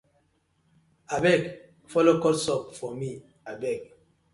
Abeg follo cut soap for mi abeg.